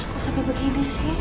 kok sepi begini sih